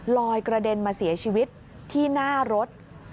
กระเด็นมาเสียชีวิตที่หน้ารถ